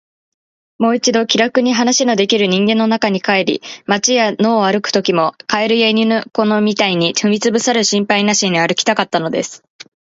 もう一度、気らくに話のできる人間の中に帰り、街や野を歩くときも、蛙や犬の子みたいに踏みつぶされる心配なしに歩きたかったのです。